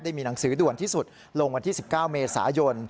มีหนังสือด่วนที่สุดลงวันที่๑๙เมษายน